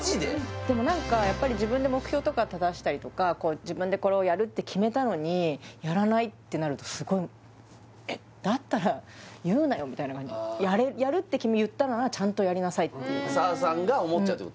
でも何かやっぱり自分で目標とか立たせたりとか自分でこれをやるって決めたのにやらないってなるとすごいえっだったら言うなよみたいな感じ澤さんが思っちゃうってこと？